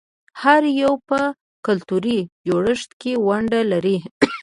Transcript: هر یو په کلتوري جوړښت کې ونډه لري.